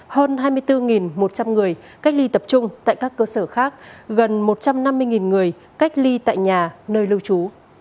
hơn hai mươi bốn một trăm linh người cách ly tập trung tại các cơ sở khác gần một trăm năm mươi người cách ly tại nhà nơi lưu trú